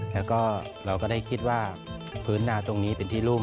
แล้วก็เราก็ได้คิดว่าพื้นนาตรงนี้เป็นที่รุ่ม